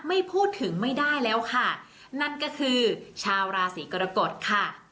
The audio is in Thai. ไม่พูดถึงไม่ได้แล้วค่ะนั่นก็คือชาวราศีกรกฎค่ะ